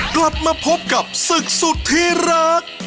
กลับมาพบกับศึกสุดที่รัก